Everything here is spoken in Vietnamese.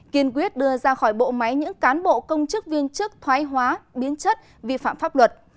kiên quyết đưa ra khỏi bộ máy những cán bộ công chức viên chức thoái hóa biến chất vi phạm pháp luật